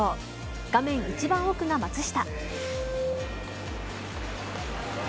画面一番奥が松下。